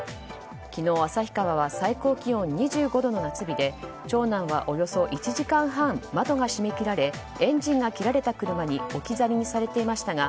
昨日、旭川は最高気温２５度の夏日で長男はおよそ１時間半窓が閉め切られエンジンが切られた車に置き去りにされていましたが